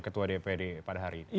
ketua dpd pada hari ini